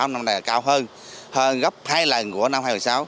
năm nay cao hơn hơn gấp hai lần của năm hai nghìn một mươi sáu